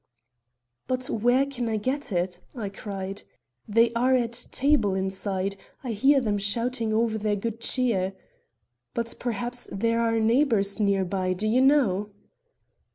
"But where can I get it?" I cried. "They are at table inside. I hear them shouting over their good cheer. But perhaps there are neighbors near by; do you know?"